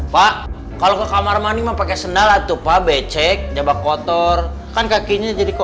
pak kalo ke kamar mana mau pake sendal atau pak becek jabak kotor kan kakinya jadi kok